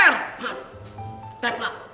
nah tap lah